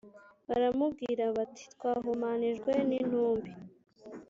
baramubwira bati Twahumanijwe n intumbi